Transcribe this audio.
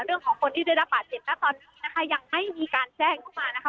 เรื่องของคนที่ได้รับบาดเจ็บนะตอนนี้นะคะยังไม่มีการแจ้งเข้ามานะคะ